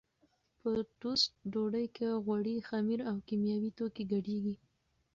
په ټوسټ ډوډۍ کې غوړي، خمیر او کیمیاوي توکي ګډېږي.